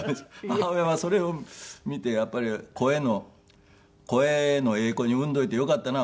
母親はそれを見てやっぱり声の「声のええ子に生んどいてよかったな」